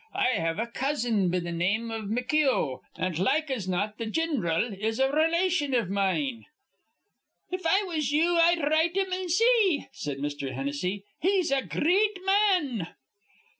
I have a cousin be th' name iv McKeough, an' like as not th' gin'ral is a relation iv mine." "If I was you, I'd write him an' see," said Mr. Hennessy. "He's a gr reat ma an."